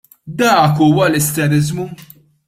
Dak huwa l-isteriżmu!